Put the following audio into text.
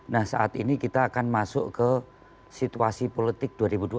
nah saat ini kita akan masuk ke situasi politik dua ribu dua puluh empat